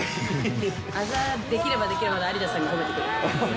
あざ出来れば出来るほど、有田さんが褒めてくれる。